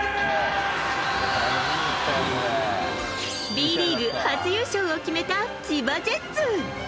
Ｂリーグ初優勝を決めた千葉ジェッツ。